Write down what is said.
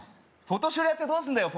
フォ年寄りやってどうすんだよ